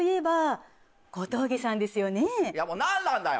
もう何なんだよ！